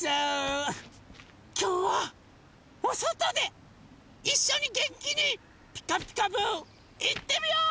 きょうはおそとでいっしょにげんきに「ピカピカブ！」いってみよう！